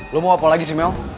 lo mau apa lagi sih mel